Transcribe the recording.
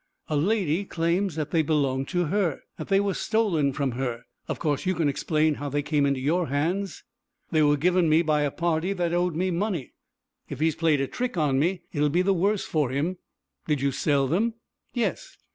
"A lady claims that they belong to her that they were stolen from her. Of course you can explain how they came into your hands?" "They were given me by a party that owed me money. If he's played a trick on me, it will be the worse for him. Did you sell them?" "Yes."